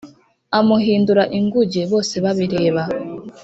amuhindura ingunge, bose babireba